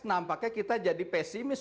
nampaknya kita jadi pesimis